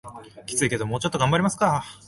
キツいけどもうちょっと頑張りますか